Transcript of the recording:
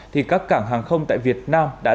thì các cảng hàng không tại việt nam